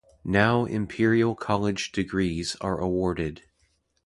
Now Imperial College degrees are awarded.